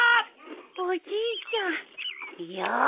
おじいちゃんよし！